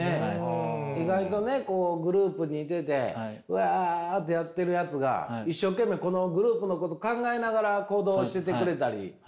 意外とねグループにいててわあってやっているやつが一生懸命このグループのこと考えながら行動しててくれたり。